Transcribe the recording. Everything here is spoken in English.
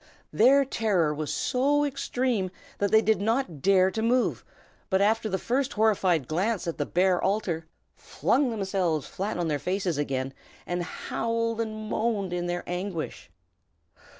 Their terror was so extreme that they did not dare to move, but after the first horrified glance at the bare altar flung themselves flat on their faces again, and howled and moaned in their anguish.